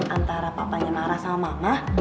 antara papanya marah sama mama